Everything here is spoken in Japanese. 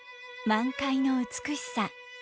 満開の美しさ。